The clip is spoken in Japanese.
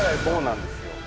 そうなんですよ。